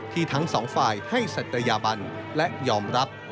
ทั้งสองฝ่ายให้ศัตยาบันและยอมรับ